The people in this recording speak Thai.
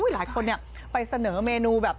หลายคนเนี่ยไปเสนอเมนูแบบ